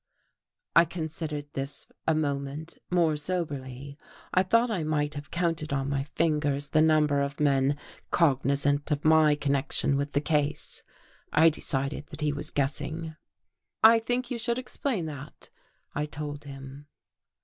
I considered this a moment, more soberly. I thought I might have counted on my fingers the number of men cognizant of my connection with the case. I decided that he was guessing. "I think you should explain that," I told him.